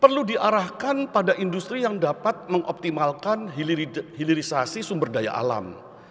perlu diarahkan pada industri yang dapat mengoptimalkan hilirisasi sumber daya alam